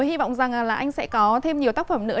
hy vọng rằng là anh sẽ có thêm nhiều tác phẩm nữa